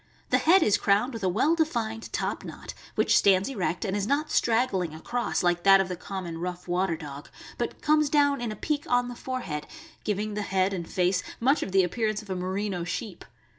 The head is crowned with a well defined top knot, which stands erect, and is not strag gling across, like that of the common rough water dog, but comes down in a peak on the forehead, giving the head and face much of the appearance of a merino sheep.